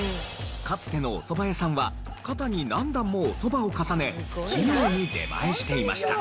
かつてのお蕎麦屋さんは肩に何段もお蕎麦を重ね器用に出前していました。